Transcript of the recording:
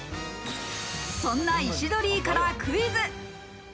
そんな石鳥居からクイズ。